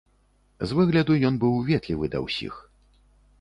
З выгляду ён быў ветлівы да ўсіх.